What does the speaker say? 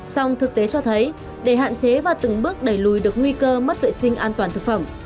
song thực tế cho thấy để hạn chế và từng bước đẩy lùi được nguy cơ mất vệ sinh an toàn thực phẩm